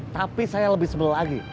tapi saya lebih senang lagi